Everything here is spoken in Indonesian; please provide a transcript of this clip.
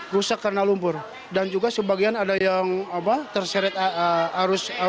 rusak karena lumpur dan juga sebagian ada yang terseret arus